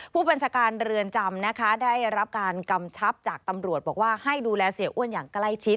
ผู้บัญชาการเรือนจำนะคะได้รับการกำชับจากตำรวจบอกว่าให้ดูแลเสียอ้วนอย่างใกล้ชิด